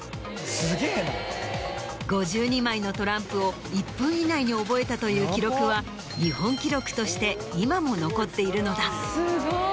５２枚のトランプを１分以内に覚えたという記録は日本記録として今も残っているのだ。